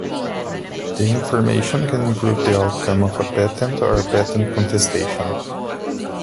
The information can improve the outcome of a patent or a patent contestation.